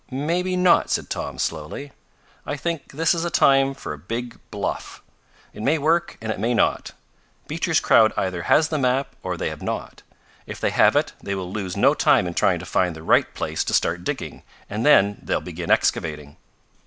"Maybe not," said Tom slowly. "I think this is a time for a big bluff. It may work and it may not. Beecher's crowd either has the map or they have not. If they have it they will lose no time in trying to find the right place to start digging and then they'll begin excavating.